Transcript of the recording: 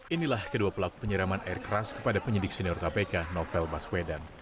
inilah kedua pelaku penyiraman air keras kepada penyidik senior kpk novel baswedan